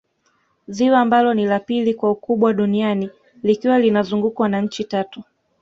Ziwa ambalo ni la pili kwa ukubwa duniani likiwa linazungukwa na nchi Tatu